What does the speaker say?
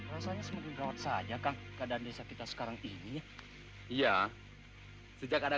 rasanya semakin rawat saja kang keadaan desa kita sekarang ini iya sejak ada